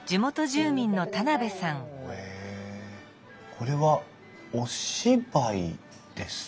これはお芝居ですか？